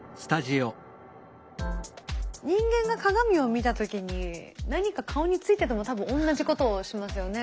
人間が鏡を見た時に何か顔についてても多分同じことをしますよね。